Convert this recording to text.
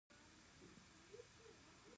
مورغاب سیند د افغانانو د تفریح یوه وسیله ده.